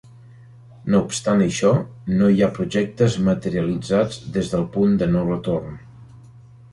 No obstant això, no hi ha projectes materialitzats des del punt de no retorn.